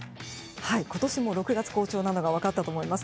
今年も６月、好調なのが分かったと思います。